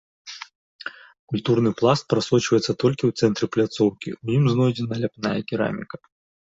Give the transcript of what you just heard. Культурны пласт прасочваецца толькі ў цэнтры пляцоўкі, у ім знойдзена ляпная кераміка.